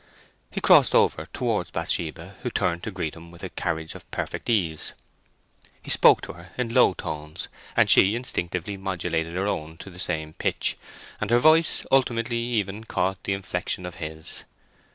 He crossed over towards Bathsheba, who turned to greet him with a carriage of perfect ease. He spoke to her in low tones, and she instinctively modulated her own to the same pitch, and her voice ultimately even caught the inflection of his.